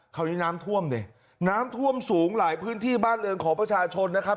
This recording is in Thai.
คราวนี้น้ำท่วมดิน้ำท่วมสูงหลายพื้นที่บ้านเรือนของประชาชนนะครับ